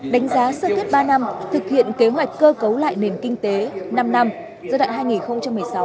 đánh giá sơ kết ba năm thực hiện kế hoạch cơ cấu lại nền kinh tế năm năm giai đoạn hai nghìn một mươi sáu hai nghìn hai mươi